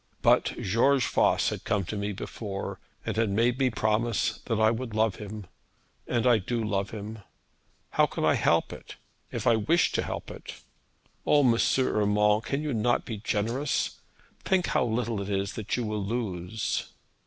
But George Voss had come to me before, and had made me promise that I would love him; and I do love him. How can I help it, if I wished to help it? O, M. Urmand, can you not be generous? Think how little it is that you will lose.'